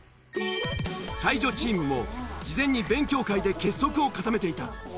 才女チームも事前に勉強会で結束を固めていた。